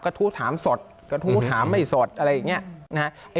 ทู้ถามสดกระทู้ถามไม่สดอะไรอย่างนี้นะฮะ